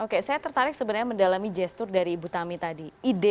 oke saya tertarik sebenarnya mendalami gestur dari ibu tami tadi